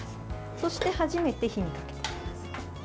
そして初めて火にかけます。